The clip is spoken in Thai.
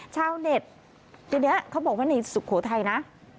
ชาวเน็ตทีนี้เขาบอกว่าในสุโขทัยนะ